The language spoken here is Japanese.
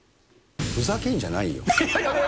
ふざけんじゃないよ！